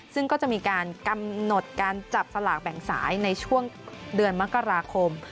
ซึ่งก็จะมีการกำหนดการจับสลากแบ่งสายในช่วงเดือนมกราคม